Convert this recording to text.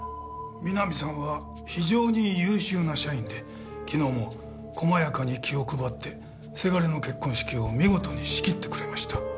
三波さんは非常に優秀な社員で昨日も細やかに気を配って倅の結婚式を見事に仕切ってくれました。